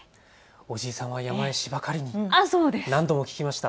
おじいさんは山へしば刈りに、何度も聞きました。